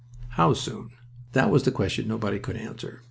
How soon? That was a question nobody could answer.